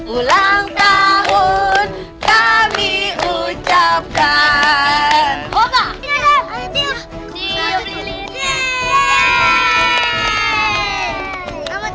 ulang tahun kami ucapkan obat